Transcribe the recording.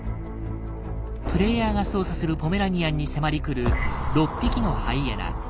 プレイヤーが操作するポメラニアンに迫り来る６匹のハイエナ。